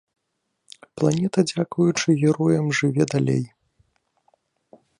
Планета дзякуючы героям жыве далей.